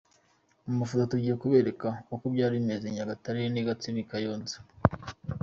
Mu mafoto tugiye kubereka uko byari bimeze i Nyagatare, i Gatsibo n'i Kayonza.